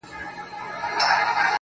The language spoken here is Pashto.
د خپلي ژبي په بلا.